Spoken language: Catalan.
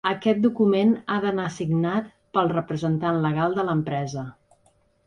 Aquest document ha d'anar signat pel representant legal de l'empresa.